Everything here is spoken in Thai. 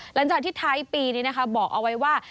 หลังจากที่ท้ายปีนี้นะคะบอกเอาไว้ว่า